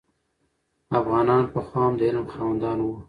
افغانان پخوا هم د علم خاوندان وو.